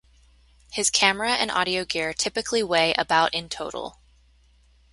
His camera and audio gear typically weigh about in total.